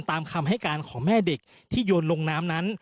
ตามคำให้การของแม่เด็กที่โยนลงน้ำนั้น